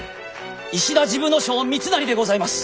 石田治部少輔三成でございます。